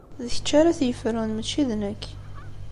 D kečč ara t-yefrun mačči d nekk.